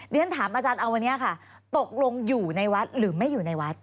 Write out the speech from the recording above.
เรียนถามอาจารย์เอาวันนี้ค่ะตกลงอยู่ในวัดหรือไม่อยู่ในวัด